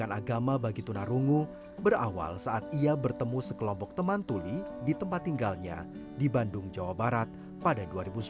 pendidikan agama bagi tunarungu berawal saat ia bertemu sekelompok teman tuli di tempat tinggalnya di bandung jawa barat pada dua ribu sepuluh